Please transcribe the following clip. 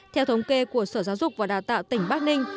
theo thống kê của sở giáo dục và đào tạo tỉnh bắc ninh